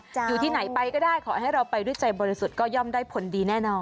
อยู่ที่ไหนไปก็ได้ขอให้เราไปด้วยใจบริสุทธิ์ก็ย่อมได้ผลดีแน่นอน